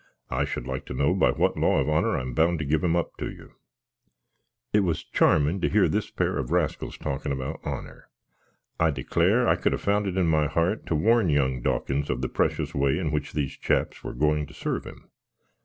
I should like to know by what law of honour I am bound to give him up to you?" It was charmin to hear this pair of raskles talkin about honour. I declare I could have found it in my heart to warn young Dawkins of the precious way in which these chaps were going to serve him.